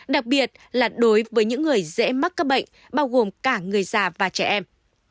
đặc biệt là đối với những người dễ mắc các bệnh bao gồm cả người già và trẻ em